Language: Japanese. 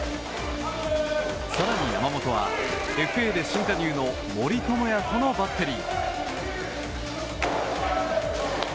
更に山本は、ＦＡで新加入の森友哉とのバッテリー。